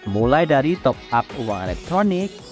mulai dari top up uang elektronik